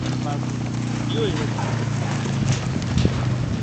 这场比赛之后他又被下放回了小联盟。